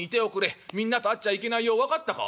みんなと会っちゃいけないよ分かったか？」。